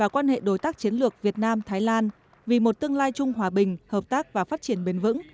quan hệ đối tác chiến lược việt nam thái lan vì một tương lai chung hòa bình hợp tác và phát triển bền vững